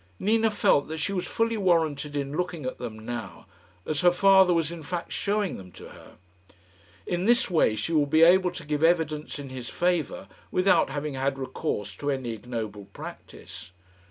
Nina felt that she was fully warranted in looking at them now, as her father was in fact showing them to her. In this way she would be able to give evidence in his favour without having had recourse to any ignoble practice.